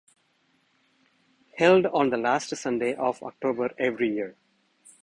Held on the last Sunday of October every year.